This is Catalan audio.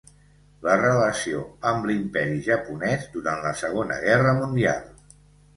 La relació amb l'imperi japonès durant la Segona Guerra Mundial.